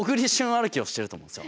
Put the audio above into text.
歩きをしてると思うんですよ。